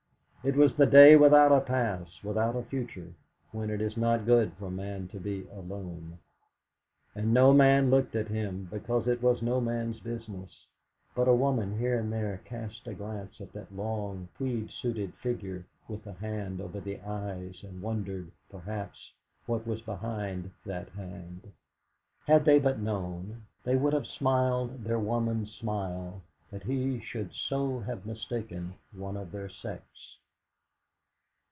It was the day without a past, without a future, when it is not good for man to be alone. And no man looked at him, because it was no man's business, but a woman here and there cast a glance on that long, tweed suited figure with the hand over the eyes, and wondered, perhaps, what was behind that hand. Had they but known, they would have smiled their woman's smile that he should so have mistaken one of their sex.